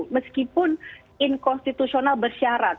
meskipun inkonstitusional bersyarat